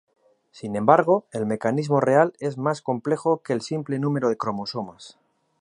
Sin embargo, el mecanismo real es más complejo que el simple número de cromosomas.